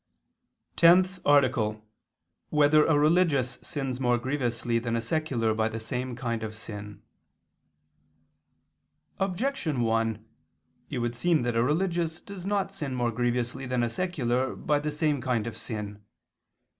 _______________________ TENTH ARTICLE [II II, Q. 186, Art. 10] Whether a Religious Sins More Grievously Than a Secular by the Same Kind of Sin? Objection 1: It would seem that a religious does not sin more grievously than a secular by the same kind of sin.